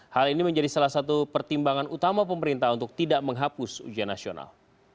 hal ini menjadi salah satu pertimbangan utama pemerintah untuk tidak menghapus ujian nasional